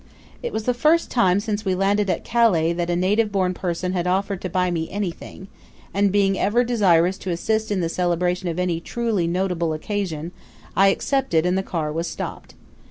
It was the first time since we landed at Calais that a native born person had offered to buy anything, and, being ever desirous to assist in the celebration of any truly notable occasion, I accepted and the car was stopped.